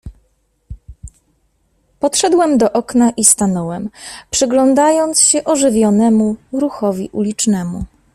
"Podszedłem do okna i stanąłem, przyglądając się ożywionemu ruchowi ulicznemu."